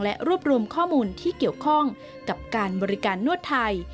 และรวบรวมข้อมูลที่เกี่ยวข้องกับการบริการนวดไทย